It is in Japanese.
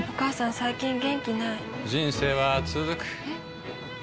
最近元気ない人生はつづくえ？